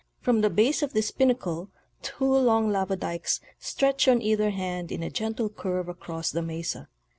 From the base of this pinnacle, two long lava dykes stretch on either hand in a gentle curve across the mesa.